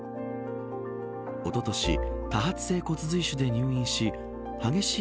おととし多発性骨髄腫で入院し激しい